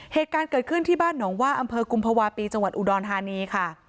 เหตุการณ์เกิดขึ้นที่บ้านหนองว่าอำเภอกุมภาวะปีจังหวัดอุดรธานีค่ะ